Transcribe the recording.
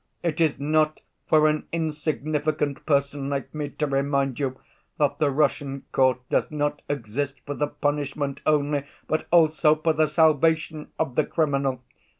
It is not for an insignificant person like me to remind you that the Russian court does not exist for the punishment only, but also for the salvation of the criminal!